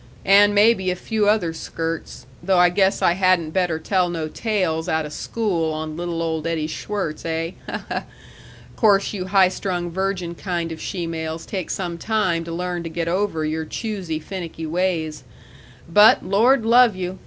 And maybe a few other skirts, though I guess I hadn't better tell no tales outa school on little old Eddie Schwirtz, eh? Ha, ha!... Course you high strung virgin kind of shemales take some time to learn to get over your choosey, finicky ways. But, Lord love you!